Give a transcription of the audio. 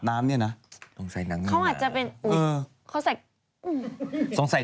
น้ํ้เนี่ยนะต้องใส่หนังมานามเขาอาจจะเป็นอุ๊ยเขาใส่ต้องใส่